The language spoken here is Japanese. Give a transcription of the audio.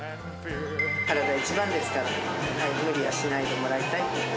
体一番ですから、無理はしないでもらいたい。